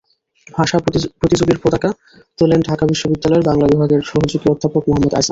ভাষা প্রতিযোগের পতাকা তোলেন ঢাকা বিশ্ববিদ্যালয়ের বাংলা বিভাগের সহযোগী অধ্যাপক মোহাম্মদ আজম।